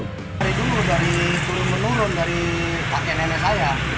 dari dulu dari turun menurun dari kakek nenek saya